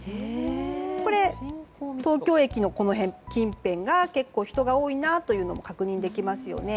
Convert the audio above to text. これ、東京駅の近辺が結構、人が多いことが確認できますよね。